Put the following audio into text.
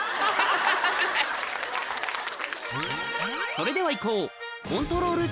それではいこう